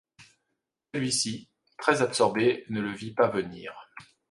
Celui-ci, très-absorbé, ne le vit pas venir